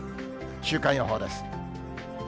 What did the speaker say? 週間予報です。